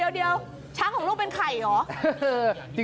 เดี๋ยวช้างของลูกเป็นไข่เหรอ